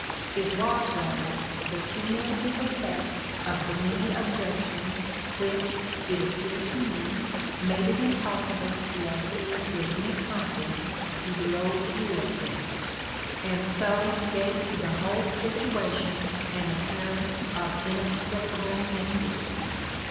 It was rather the cumulative effect of the many objections which, it appeared to me, made it impossible to adhere with any confidence to the old view of things, and so gave to the whole situation an appearance of inexplicable mystery.